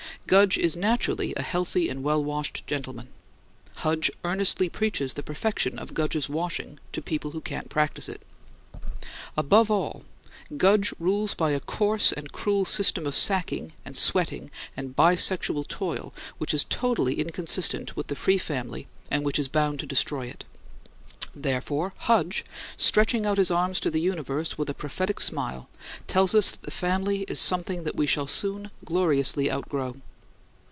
Gudge is naturally a healthy and well washed gentleman; Hudge earnestly preaches the perfection of Gudge's washing to people who can't practice it. Above all, Gudge rules by a coarse and cruel system of sacking and sweating and bi sexual toil which is totally inconsistent with the free family and which is bound to destroy it; therefore Hudge, stretching out his arms to the universe with a prophetic smile, tells us that the family is something that we shall soon gloriously outgrow.